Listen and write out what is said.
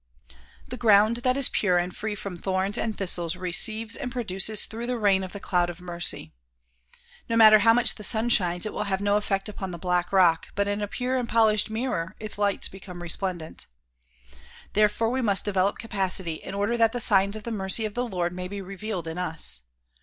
The ground that is pure and free from thorns and thistles receives and pro duces through the rain of the cloud of mercy. No matter how much the sun shines it will have no effect upon the black rock but in a pure and polished mirror its lights become resplendent. Therefore we must develop capacity in order that the signs of the mercy of the Lord may be revealed in us.